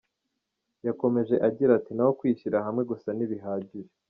Yakomeje agira ati “Naho kwishyira hamwe gusa ntibihagije.